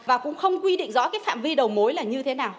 và cũng không quy định rõ cái phạm vi đầu mối là như thế nào